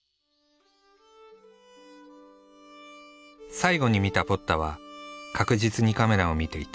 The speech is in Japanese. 最後に見たポッタは確実にカメラを見ていた。